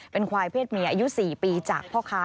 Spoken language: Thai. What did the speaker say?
เป็นควายเพศเมียอายุ๔ปีจากพ่อค้า